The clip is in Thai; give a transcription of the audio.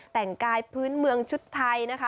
แต่งกายพื้นเมืองชุดไทยนะคะ